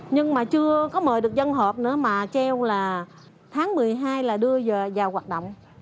nhưng mà chưa có mời được dân hợp nữa mà treo là tháng một mươi hai là đưa vào hoạt động